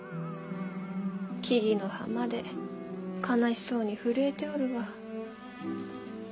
木々の葉まで悲しそうに震えておるわ。